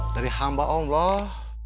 dari hamba allah